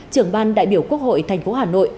trưởng ban đại biểu quốc hội thành phố hà nội